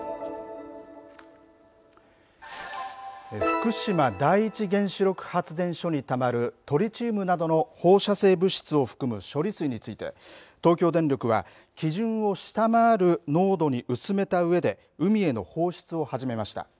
福島第一原子力発電所にたまるトリチウムなどの放射性物質を含む処理水について東京電力は基準を下回る濃度に薄めたうえで海への放出を始めました。